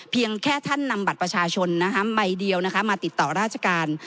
เพียงแค่ท่านนำบัตรประชาชนใบเดียวมาติดต่อราชการ